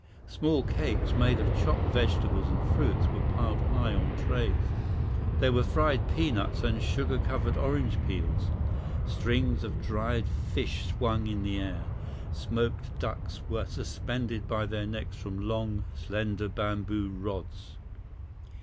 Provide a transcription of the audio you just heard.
Small cakes made of chopped vegetables and fruits were piled high on trays. There were fried peanuts and sugar covered orange peels. Strings of dried fish swung in the air. Smoked ducks were suspended by their necks from long, slender bamboo rods.